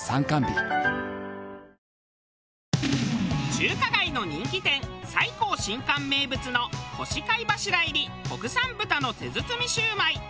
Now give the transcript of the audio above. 中華街の人気店菜香新館名物の干し貝柱入り国産豚の手包みしゅうまい。